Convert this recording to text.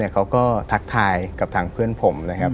เขาก็ถักทายกับทางเพื่อนผม